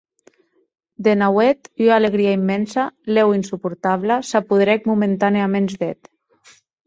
De nauèth ua alegria immensa, lèu insuportabla, s’apoderèc momentanèaments d’eth.